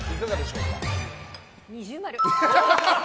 二重丸。